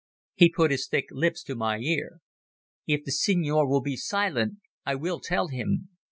He put his thick lips to my ear. "If the Signor will be silent I will tell him.